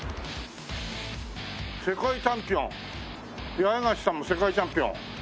「世界チャンピオン」八重樫さんも世界チャンピオン。